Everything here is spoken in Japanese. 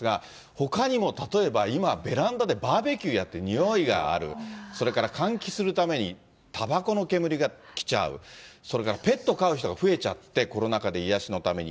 ほかにも例えば、今、ベランダでバーベキューやって、臭いがある、それから喚起するためにたばこの煙が来ちゃう、それからペット飼う人が増えちゃって、コロナ禍で癒やしのために。